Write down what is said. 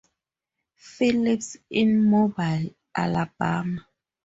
Phillips in Mobile, Alabama.